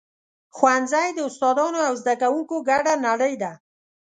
ښوونځی د استادانو او زده کوونکو ګډه نړۍ ده.